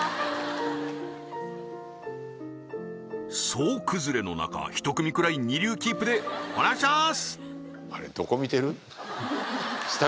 総崩れの中１組くらい二流キープでお願いします